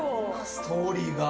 ストーリーが。